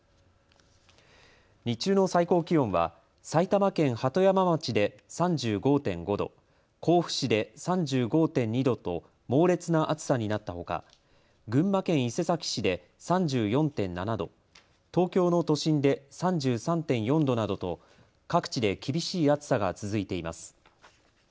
日中の最高気温は埼玉県鳩山町で３５．５度、甲府市で３５．２度と猛烈な暑さになったほか群馬県伊勢崎市で３４．７度、東京の都心で３３．４度などと各地で厳しい暑さが続いています。